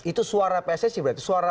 itu suara pssi berarti suara